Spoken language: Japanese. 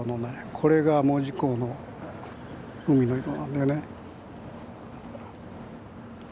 これが門司港の海の色なんだよね。